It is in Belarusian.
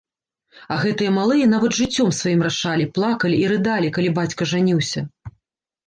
А гэтыя малыя нават жыццём сваім рашалі, плакалі і рыдалі, калі бацька жаніўся.